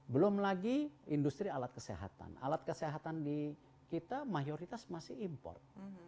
belum lagi industri alat kesehatan alat kesehatan di kita mayoritas masih import